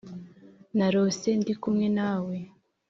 narose ndikumwe nawe